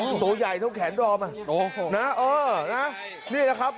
โอ้โหตัวใหญ่เท่าแขนรอบน่ะโอ้โหนะเออนะนี่นะครับ